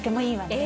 え！